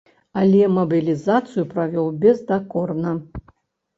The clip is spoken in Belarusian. Але мабілізацыю правёў бездакорна.